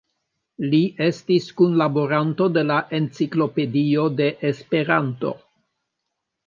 Li estis kunlaboranto de la Enciklopedio de Esperanto.